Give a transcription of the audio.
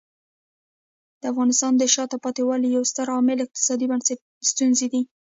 د افغانستان د شاته پاتې والي یو ستر عامل اقتصادي ستونزې دي.